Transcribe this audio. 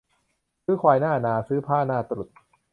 ซื้อควายหน้านา ซื้อผ้าหน้าตรุษ